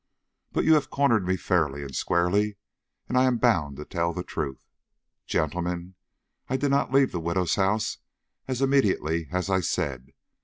But you have cornered me fairly and squarely, and I am bound to tell the truth. Gentlemen, I did not leave the widow's house as immediately as I said.